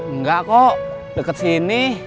enggak kok deket sini